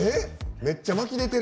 めっちゃ「巻き」出てる。